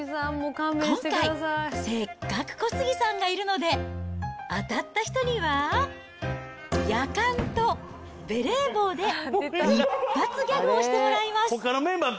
今回、せっかく小杉さんがいるので、当たった人には、やかんとベレー帽で、一発ギャグをしてもらいます。